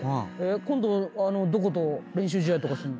今度どこと練習試合とかするの？